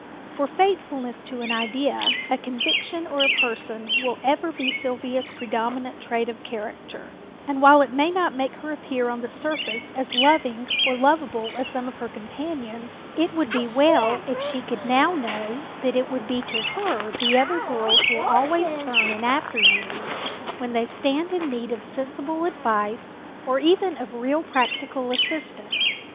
For faithfulness to an idea, a conviction or a person will ever be Sylvia's predominant trait of character, and while it may not make her appear on the surface as loving or lovable as some of her companions, it would be well if she could now know that it will be to her the other girls will always turn in after years when they stand in need of sensible advice or even of real practical assistance.